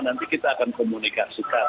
nanti kita akan komunikasikan